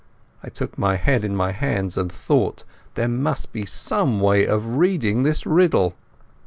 I took my head in my hands and thought. There must be some way of reading this riddle.